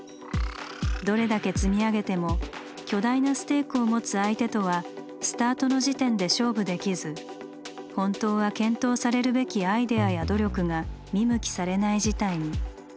どれだけ積み上げても巨大な「ステーク」を持つ相手とはスタートの時点で勝負できず本当は検討されるべきアイデアや努力が見向きされない事態に。